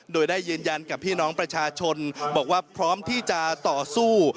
โดยได้ยืนยันกับพี่น้องประชาชนบอกว่าพร้อมที่จะต่อสู้